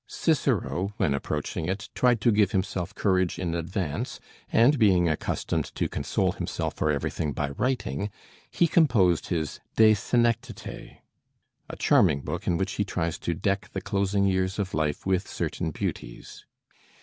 Cicero, when approaching it, tried to give himself courage in advance, and being accustomed to console himself for everything by writing, he composed his 'De Senectute,' a charming book in which he tries to deck the closing years of life with certain beauties.